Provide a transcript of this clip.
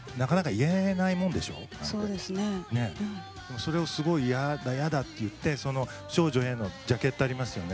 それをすごい嫌だ嫌だって言ってその「少女Ａ」のジャケットありますよね